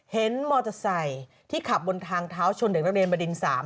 เห็นมอเตอร์ไซค์ที่ขับบนทางเท้าชนเด็กนักเรียนบดิน๓